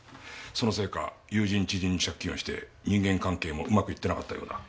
そのせいか友人知人に借金をして人間関係もうまくいってなかったようだ。